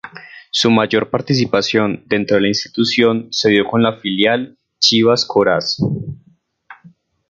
Su mayor participación dentro de la institución se dio con la filial Chivas Coras.